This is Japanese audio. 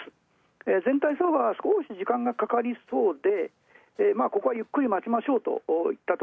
全体相場は少し時間がかかりそうでここはゆっくり待ちましょうと。